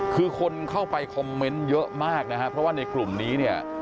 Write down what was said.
คือคนเข้าไปคอมเมนต์เยอะมากนะครับเพราะว่าในกลุ่มนี้เนี่ย